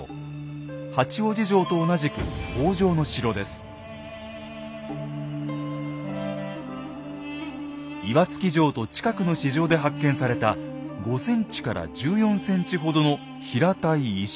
八王子城と同じく岩槻城と近くの支城で発見された５ｃｍから１４ｃｍほどの平たい石。